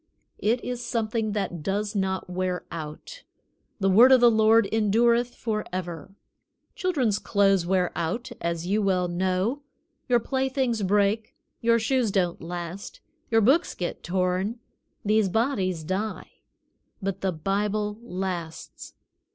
It is something that does not wear out. "The word of the Lord endureth forever." Children's clothes wear out, as you well know. Your play things break; your shoes don't last; your books get torn; these bodies die; but the Bible lasts.